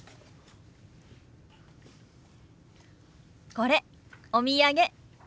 これお土産。